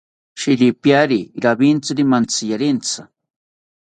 Shiripiari rawintziri mantziarentsini